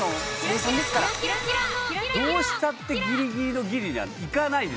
どうしたってギリギリのギリにはいかない。